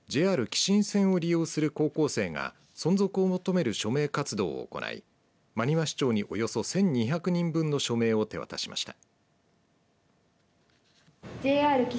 ＪＲ姫新線を利用する高校生が存続を求める署名活動を行い真庭市長におよそ１２００人分の署名を手渡しました。